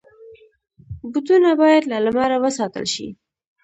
بوټونه باید له لمره وساتل شي.